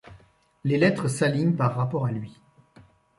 Les lettres s'alignent par rapport à lui.